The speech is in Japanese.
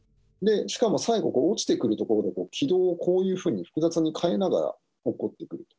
しかも最後、落ちてくるところで軌道をこういうふうに複雑に変えながら、おっこってくると。